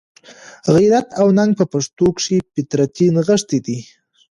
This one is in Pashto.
غیرت او ننګ په پښتنو کښي فطرتي نغښتی دئ.